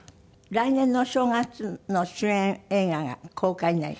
来年のお正月の主演映画が公開になる。